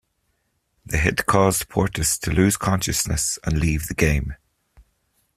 The hit caused Portis to lose consciousness and leave the game.